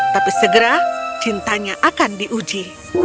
tapi segera cintanya akan diuji